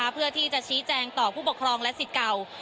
เพื่อที่จะชี้แจงต่อผู้ปกครองและสิทธิ์เก่า